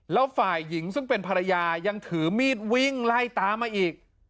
แล้วฝ่ายหญิงซึ่งเป็นภรรยายังถือมีดวิ่งไล่ตามมาอีก